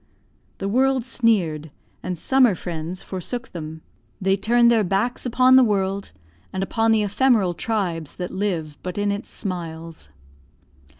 The world sneered, and summer friends forsook them; they turned their backs upon the world, and upon the ephemeral tribes that live but in its smiles.